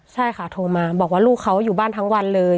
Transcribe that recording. ใช่ค่ะโทรมาบอกว่าลูกเขาอยู่บ้านทั้งวันเลย